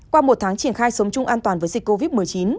qua một tháng triển khai sống chung an toàn với dịch covid một mươi chín